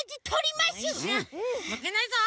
まけないぞ！